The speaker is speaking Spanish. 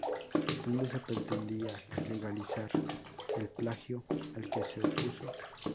Donde se pretendía "legalizar" el plagio, al que se opuso.